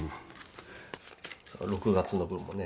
６月の分もね